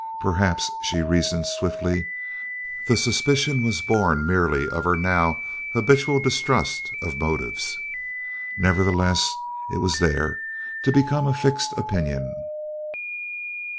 Perhaps, she reasoned swiftly, the suspicion was born merely of her now habitual distrust of motives; nevertheless, it was there, to become a fixed opinion.